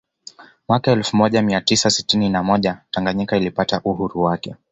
Mwaka elfu moja mia tisa sitini na moja Tanganyika ilipata uhuru wake